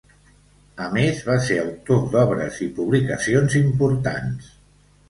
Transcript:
A més va ser autor d'obres i publicacions importants.